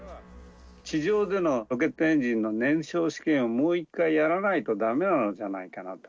地上でのロケットエンジンの燃焼試験をもう一回やらないとだめなのじゃないのかと。